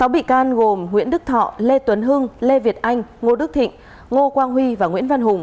sáu bị can gồm nguyễn đức thọ lê tuấn hưng lê việt anh ngô đức thịnh ngô quang huy và nguyễn văn hùng